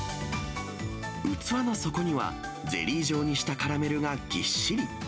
器の底には、ゼリー状にしたカラメルがぎっしり。